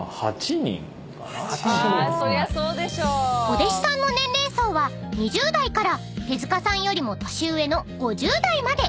［お弟子さんの年齢層は２０代から手塚さんよりも年上の５０代まで］